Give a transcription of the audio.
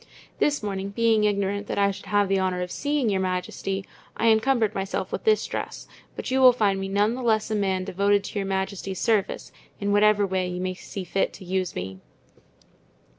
This morning, being ignorant that I should have the honor of seeing your majesty, I encumbered myself with this dress, but you will find me none the less a man devoted to your majesty's service, in whatever way you may see fit to use me."